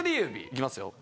いきますよ